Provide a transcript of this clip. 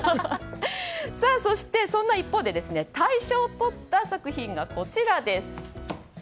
そして、そんな一方で大賞をとった作品がこちら。